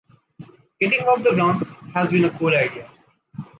Getting off the ground has been a cool idea.